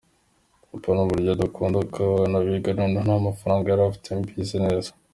Papa n’uburyo adakunda ko abana biga, noneho nta n’amafaranga yarafite mbizi neza.